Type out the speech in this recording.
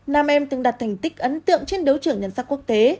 nam em cũng đặt thành tích ấn tượng trên đấu trưởng nhân sắc quốc tế